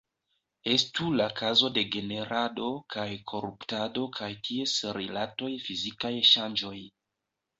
Estu la kazo de generado kaj koruptado kaj ties rilataj fizikaj ŝanĝoj.